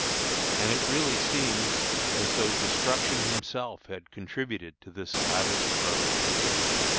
And it really seems as though Destruction himself had contributed to this lavish growth.